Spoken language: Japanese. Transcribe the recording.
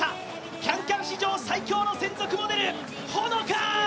「ＣａｎＣａｍ」史上最強のモデル、ほのか。